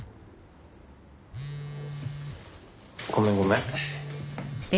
ごめんごめん。